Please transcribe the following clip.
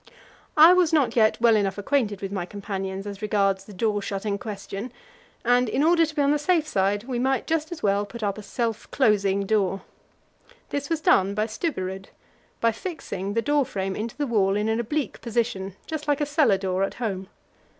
I was not yet well enough acquainted with my companions as regards the door shutting question, and in order to be on the safe side we might just as well put up a self closing door. This was done by Stubberud, by fixing the door frame into the wall in an oblique position just like a cellar door at home.